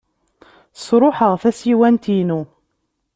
Sṛuḥeɣ tasiwant-inu.